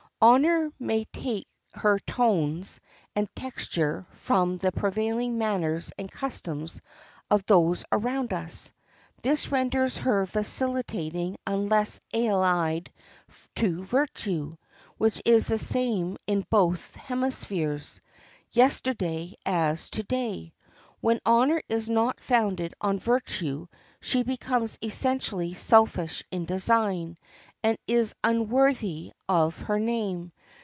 Honor may take her tones and texture from the prevailing manners and customs of those around us; this renders her vacillating unless allied to virtue, which is the same in both hemispheres, yesterday as to day. When honor is not founded on virtue she becomes essentially selfish in design, and is unworthy of her name.